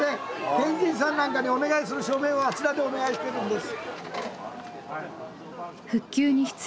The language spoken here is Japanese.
県知事さんなんかにお願いする署名をあちらでお願いしてるんです。